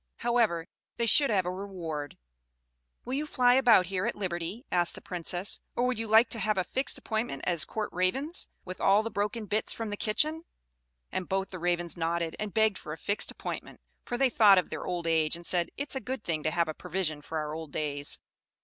However, they should have a reward. "Will you fly about here at liberty," asked the Princess; "or would you like to have a fixed appointment as court ravens, with all the broken bits from the kitchen?" And both the Ravens nodded, and begged for a fixed appointment; for they thought of their old age, and said, "It is a good thing to have a provision for our old days."